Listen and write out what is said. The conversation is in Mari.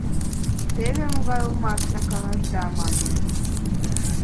— Теве могай улмаш тендан каҥашда, — мане.